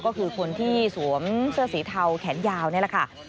ก็คือคนที่สวมเสื้อสีเทาแขนยาวนี่แหละค่ะ